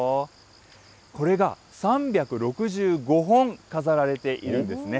これが３６５本飾られているんですね。